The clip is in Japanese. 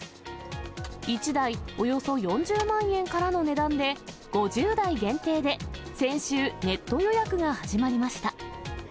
１台およそ４０万円からの値段で、５０台限定で、先週、ネット予約が始まりました。